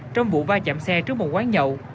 trong vụ vai chạm xe trước một quán nhậu